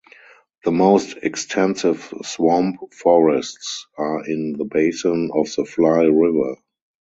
The most extensive swamp forests are in the basin of the Fly River.